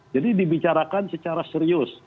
jadi dibicarakan secara serius